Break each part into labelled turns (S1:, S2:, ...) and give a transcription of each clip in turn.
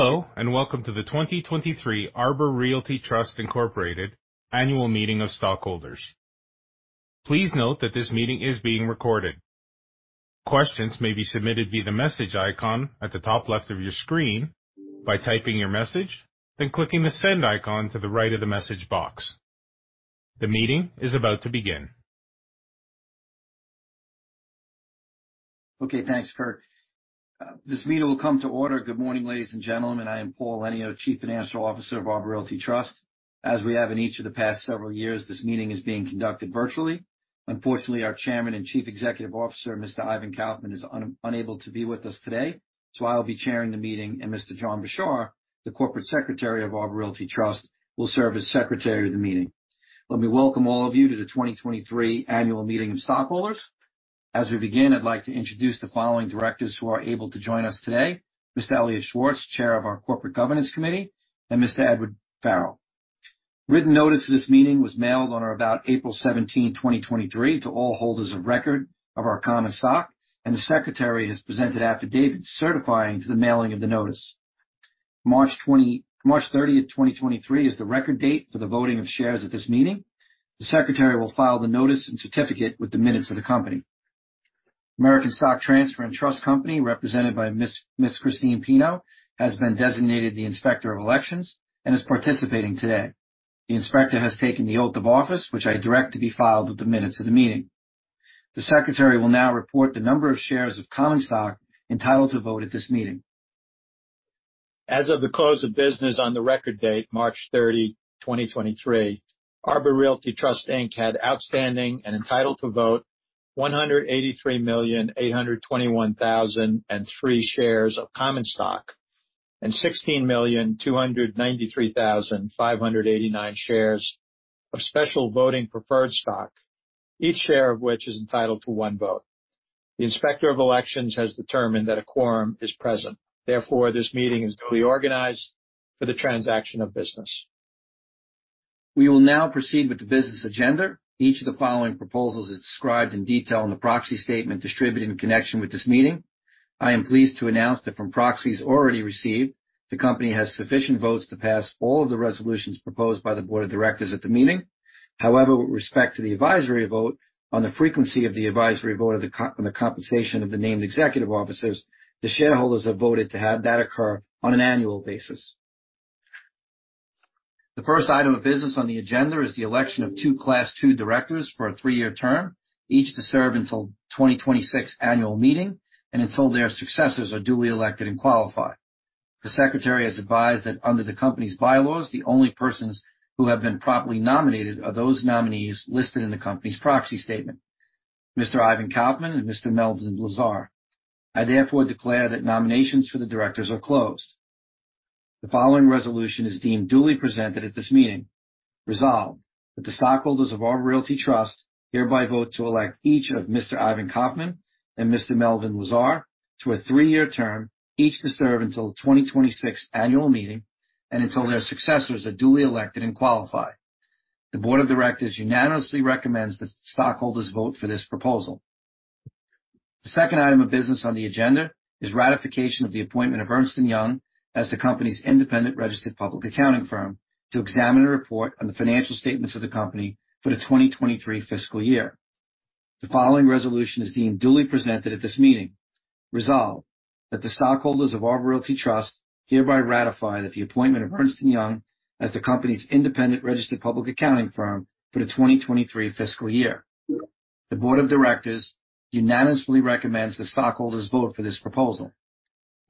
S1: Hello, welcome to the 2023 Arbor Realty Trust, Inc. annual meeting of stockholders. Please note that this meeting is being recorded. Questions may be submitted via the message icon at the top left of your screen by typing your message, then clicking the send icon to the right of the message box. The meeting is about to begin.
S2: Okay. Thanks, Kurt. This meeting will come to order. Good morning, ladies and gentlemen. I am Paul Elenio, Chief Financial Officer of Arbor Realty Trust. As we have in each of the past several years, this meeting is being conducted virtually. Unfortunately, our Chairman and Chief Executive Officer, Mr. Ivan Kaufman, is unable to be with us today, I will be chairing the meeting, and Mr. John J. Bishar, the Corporate Secretary of Arbor Realty Trust, will serve as Secretary of the meeting. Let me welcome all of you to the 2023 annual meeting of stockholders. As we begin, I'd like to introduce the following directors who are able to join us today. Mr. Elliot Schwartz, Chair of our Corporate Governance Committee, and Mr. Edward Farrell. Written notice of this meeting was mailed on or about April 17, 2023, to all holders of record of our common stock. The Secretary has presented affidavits certifying to the mailing of the notice. March 30th, 2023, is the record date for the voting of shares at this meeting. The Secretary will file the notice and certificate with the minutes of the company. American Stock Transfer & Trust Company, represented by Miss Christine Pino, has been designated the Inspector of Elections and is participating today. The Inspector has taken the oath of office, which I direct to be filed with the minutes of the meeting. The Secretary will now report the number of shares of common stock entitled to vote at this meeting.
S3: As of the close of business on the record date, March 30, 2023, Arbor Realty Trust, Inc. had outstanding and entitled to vote 183,821,003 shares of common stock, and 16,293,589 shares of special voting preferred stock, each share of which is entitled to one vote. The Inspector of Election has determined that a quorum is present. Therefore, this meeting is duly organized for the transaction of business.
S2: We will now proceed with the business agenda. Each of the following proposals is described in detail in the proxy statement distributed in connection with this meeting. I am pleased to announce that from proxies already received, the company has sufficient votes to pass all of the resolutions proposed by the board of directors at the meeting. With respect to the advisory vote on the frequency of the advisory vote on the compensation of the named executive officers, the shareholders have voted to have that occur on an annual basis. The first item of business on the agenda is the election of two Class 2 directors for a three-year term, each to serve until 2026 annual meeting and until their successors are duly elected and qualified. The Secretary has advised that under the company's bylaws, the only persons who have been properly nominated are those nominees listed in the company's proxy statement, Mr. Ivan Kaufman and Mr. Melvin Lazar. I therefore declare that nominations for the directors are closed. The following resolution is deemed duly presented at this meeting. Resolved, that the stockholders of Arbor Realty Trust hereby vote to elect each of Mr. Ivan Kaufman and Mr. Melvin Lazar to a three-year term, each to serve until 2026 annual meeting and until their successors are duly elected and qualified. The board of directors unanimously recommends that stockholders vote for this proposal. The second item of business on the agenda is ratification of the appointment of Ernst & Young as the company's independent registered public accounting firm to examine and report on the financial statements of the company for the 2023 fiscal year. The following resolution is deemed duly presented at this meeting. Resolved, that the stockholders of Arbor Realty Trust hereby ratify that the appointment of Ernst & Young as the company's independent registered public accounting firm for the 2023 fiscal year. The board of directors unanimously recommends that stockholders vote for this proposal.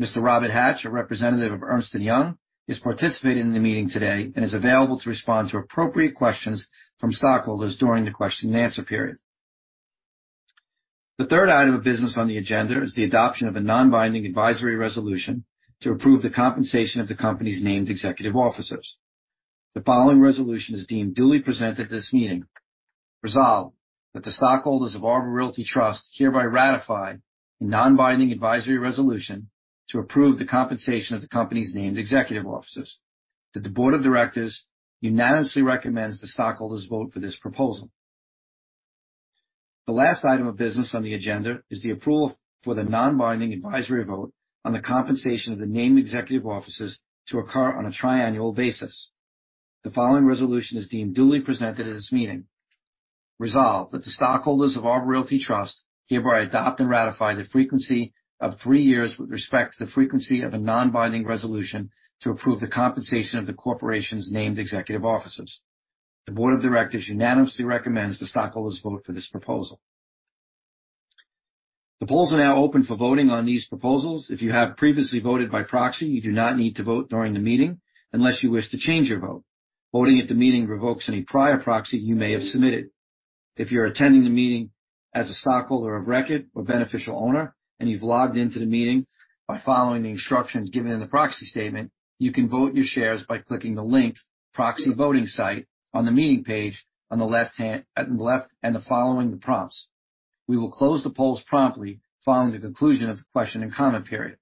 S2: Mr. Robert Hatch, a representative of Ernst & Young, is participating in the meeting today and is available to respond to appropriate questions from stockholders during the question and answer period. The third item of business on the agenda is the adoption of a non-binding advisory resolution to approve the compensation of the company's named executive officers. The following resolution is deemed duly presented at this meeting. Resolved, that the stockholders of Arbor Realty Trust hereby ratify a non-binding advisory resolution to approve the compensation of the company's named executive officers, that the board of directors unanimously recommends that stockholders vote for this proposal. The last item of business on the agenda is the approval for the non-binding advisory vote on the compensation of the named executive officers to occur on a triannual basis. The following resolution is deemed duly presented at this meeting. Resolved, that the stockholders of Arbor Realty Trust hereby adopt and ratify the frequency of three years with respect to the frequency of a non-binding resolution to approve the compensation of the corporation's named executive officers. The board of directors unanimously recommends that stockholders vote for this proposal. The polls are now open for voting on these proposals. If you have previously voted by proxy, you do not need to vote during the meeting unless you wish to change your vote. Voting at the meeting revokes any prior proxy you may have submitted. If you're attending the meeting as a stockholder of record or beneficial owner, and you've logged into the meeting by following the instructions given in the proxy statement, you can vote your shares by clicking the link, Proxy Voting Site, on the meeting page on the left and then following the prompts. We will close the polls promptly following the conclusion of the question and comment period.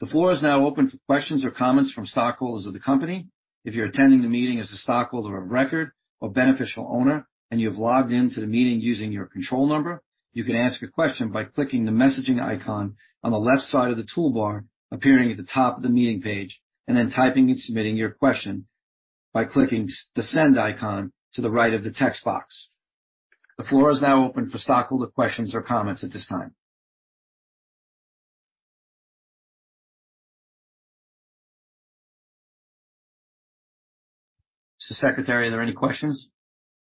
S2: The floor is now open for questions or comments from stockholders of the company. If you're attending the meeting as a stockholder of record or beneficial owner, and you have logged into the meeting using your control number, you can ask a question by clicking the messaging icon on the left side of the toolbar appearing at the top of the meeting page and then typing and submitting your question by clicking the send icon to the right of the text box. The floor is now open for stockholder questions or comments at this time. Mr. Secretary, are there any questions?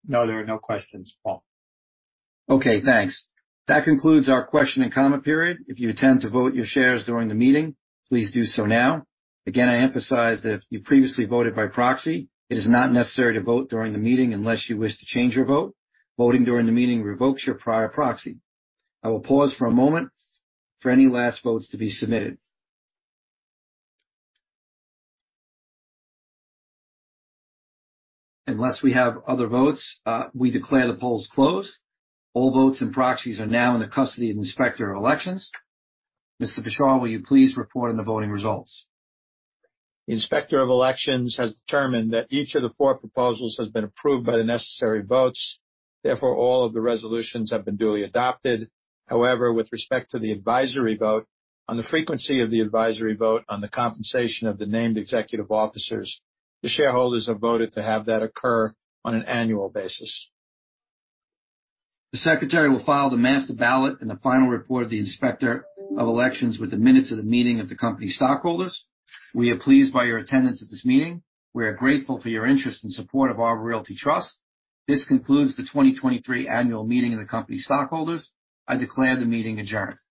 S3: No, there are no questions, Paul.
S2: Okay, thanks. That concludes our question and comment period. If you intend to vote your shares during the meeting, please do so now. Again, I emphasize that if you previously voted by proxy, it is not necessary to vote during the meeting unless you wish to change your vote. Voting during the meeting revokes your prior proxy. I will pause for a moment for any last votes to be submitted. Unless we have other votes, we declare the polls closed. All votes and proxies are now in the custody of Inspector of Election. Mr. Bishar, will you please report on the voting results?
S3: The Inspector of Election has determined that each of the four proposals has been approved by the necessary votes. All of the resolutions have been duly adopted. With respect to the advisory vote, on the frequency of the advisory vote on the compensation of the named executive officers, the shareholders have voted to have that occur on an annual basis.
S2: The Secretary will file the master ballot and the final report of the Inspector of Election with the minutes of the meeting of the company stockholders. We are pleased by your attendance at this meeting. We are grateful for your interest and support of Arbor Realty Trust. This concludes the 2023 annual meeting of the company stockholders. I declare the meeting adjourned.